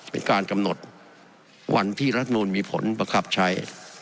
เป็นการกำหนดวันที่รัฐมนูลมีผลประคับใช้